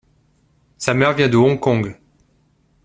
Sa mère vient de Hong Kong.